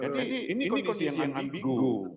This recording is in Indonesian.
jadi ini kondisi yang ambigu